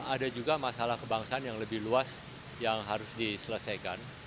ada juga masalah kebangsaan yang lebih luas yang harus diselesaikan